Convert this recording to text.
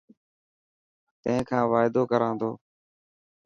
تين کان وعدو ڪران تو.